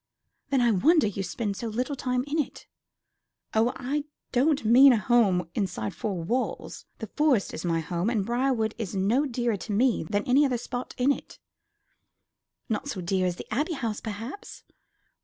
"Then I wonder you spend so little time in it." "Oh, I don't mean a home inside four walls. The Forest is my home, and Briarwood is no dearer to me than any other spot in it." "Not so dear as the Abbey House, perhaps?"